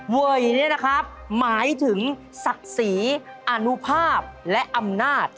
เวยเนี่ยนะครับหมายถึงศักดิ์ศรีอนุภาพและอำนาจ